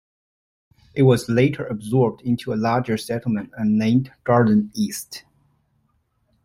It was later absorbed into a larger settlement and named Garden East.